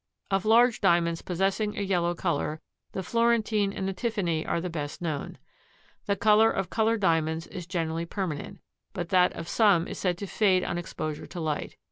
Of large Diamonds possessing a yellow color the Florentine and the Tiffany are the best known. The color of colored Diamonds is generally permanent, but that of some is said to fade on exposure to light.